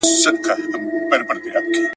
زه پخپلو وزرونو د تیارې پلو څیرمه ,